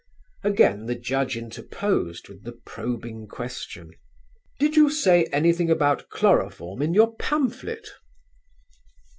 Again the judge interposed with the probing question: "Did you say anything about chloroform in your pamphlet?"